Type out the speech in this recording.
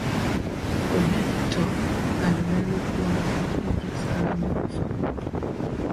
Obito alidhani kuwa rafiki yake Sarah alikufa